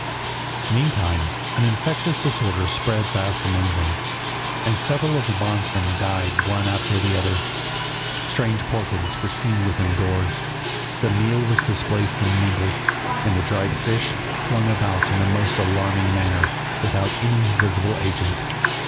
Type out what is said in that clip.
Meantime an infectious disorder spread fast among them, and several of the bondsmen died one after the other. Strange portents were seen within doors, the meal was displaced and mingled, and the dried fish flung about in a most alarming manner, without any visible agent.